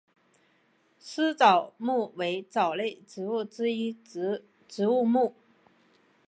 丝藻目为藻类植物之一植物目。